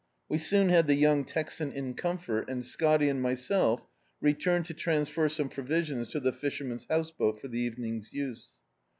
We soon had the young Texan in comfort, and Scotty and myself returned to transfer some provisions to the fisherman's house boat, for the evyning's use.